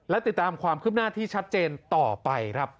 และติดตามความคืบหน้าที่ชัดเจนต่อไปครับ